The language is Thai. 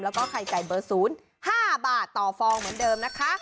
แล้วก็ไข่ไก่เบอร์๐๕บาทต่อฟองเหมือนเดิมนะคะ